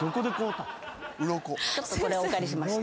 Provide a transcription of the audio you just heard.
ちょっとこれお借りしました。